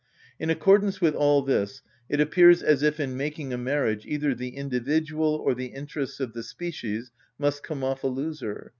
In accordance with all this, it appears as if in making a marriage either the individual or the interests of the species must come off a loser.